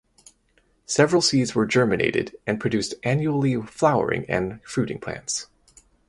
Several seeds were germinated and produced annually flowering and fruiting plants.